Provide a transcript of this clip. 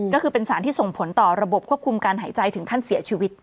ก็คือเป็นสารที่ส่งผลต่อระบบควบคุมการหายใจถึงขั้นเสียชีวิต